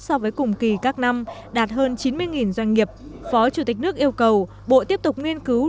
so với cùng kỳ các năm đạt hơn chín mươi doanh nghiệp phó chủ tịch nước yêu cầu bộ tiếp tục nghiên cứu